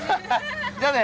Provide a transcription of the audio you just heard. じゃあね！